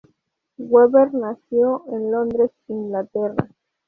Weber nació en Londres, Inglaterra.